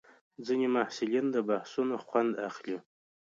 ځینې محصلین د بحثونو خوند اخلي.